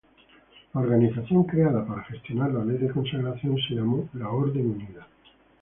La organización creada para gestionar la Ley de Consagración se llamó la Orden Unida.